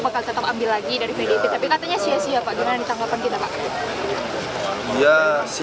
katanya csi ya pak gimana ditanggapan kita pak